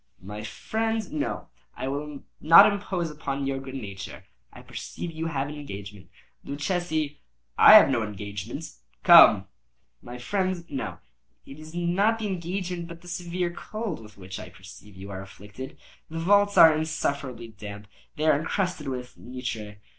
"My friend, no; I will not impose upon your good nature. I perceive you have an engagement. Luchesi—" "I have no engagement;—come." "My friend, no. It is not the engagement, but the severe cold with which I perceive you are afflicted. The vaults are insufferably damp. They are encrusted with nitre."